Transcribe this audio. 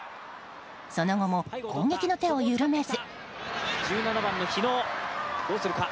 その後も攻撃の手を緩めず。